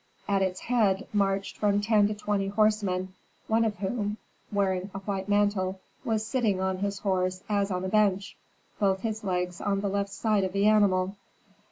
At its head marched from ten to twenty horsemen, one of whom, wearing a white mantle, was sitting on his horse as on a bench, both his legs on the left side of the animal.